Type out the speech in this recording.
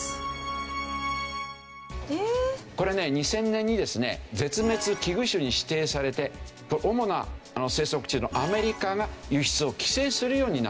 これね２０００年にですね絶滅危惧種に指定されて主な生息地のアメリカが輸出を規制するようになったというわけですね。